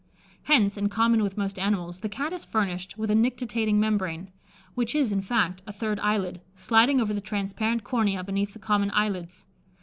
Hence, in common with most animals, the Cat is furnished with a nictitating membrane, which is, in fact, a third eyelid, sliding over the transparent cornea beneath the common eyelids.